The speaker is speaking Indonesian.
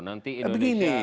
nanti indonesia bangkrut